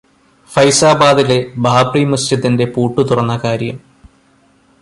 ഫൈസാബാദിലെ ബാബ്റി മസ്ജിദിന്റെ പൂട്ടു തുറന്ന കാര്യം.